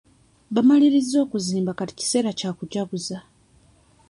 Bamalirizza okuzimba Kati kiseera kya kujaguza.